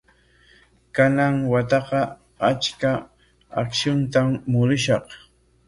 Kanan wataqa achka akshutam murushaq.